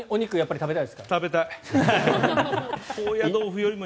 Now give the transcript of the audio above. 食べたい。